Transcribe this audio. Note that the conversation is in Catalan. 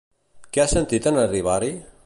Què ha sentit en arribar-hi?